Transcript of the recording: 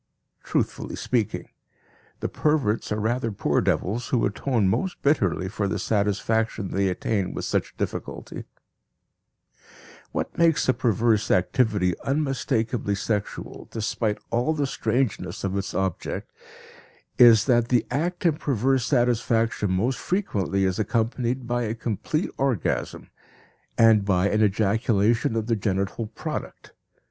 Truthfully speaking, the perverts are rather poor devils who atone most bitterly for the satisfaction they attain with such difficulty. What makes the perverse activity unmistakably sexual, despite all the strangeness of its object, is that the act in perverse satisfaction most frequently is accompanied by a complete orgasm, and by an ejaculation of the genital product.